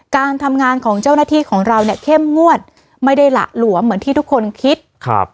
การทำงานของเจ้าหน้าที่ของเราเนี่ยเข้มงวดไม่ได้หละหลวมเหมือนที่ทุกคนคิดครับ